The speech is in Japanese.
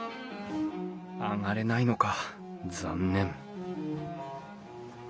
上がれないのか。